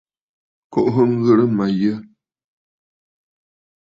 Kùʼùsə ŋghɨrə mə̀ yə̂!